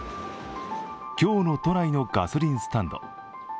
今日の都内のガソリンスタンド。